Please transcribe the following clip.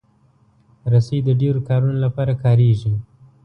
رسۍ د ډیرو کارونو لپاره کارېږي.